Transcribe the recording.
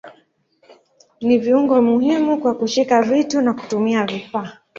Ni viungo muhimu kwa kushika vitu na kutumia vifaa.